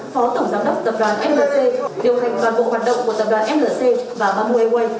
phó tổng giám đốc tập đoàn flc điều thành và bộ hoạt động của tập đoàn flc và bà mùa uê uê